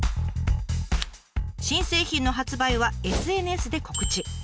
新製品の発売はＳＮＳで告知。